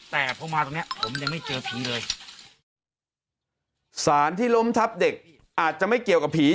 แต่พอมาตรงเนี้ยผมยังไม่เจอผีเลยสารที่ล้มทับเด็กอาจจะไม่เกี่ยวกับผี